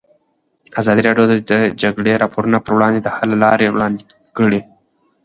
ازادي راډیو د د جګړې راپورونه پر وړاندې د حل لارې وړاندې کړي.